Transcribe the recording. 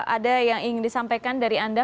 ada yang ingin disampaikan dari anda